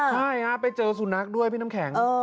ใช่ฮะไปเจอสุนัขด้วยพี่น้ำแข็ง